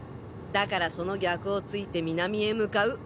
だからその逆をついて南へ向かう。